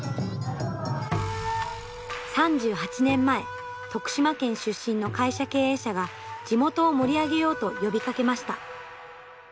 ３８年前徳島県出身の会社経営者が地元を盛り上げようと呼びかけました。